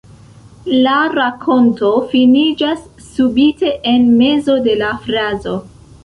La rakonto finiĝas subite, en mezo de la frazo.